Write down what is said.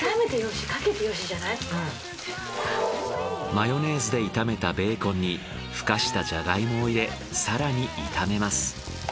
マヨネーズで炒めたベーコンにふかしたジャガイモを入れ更に炒めます。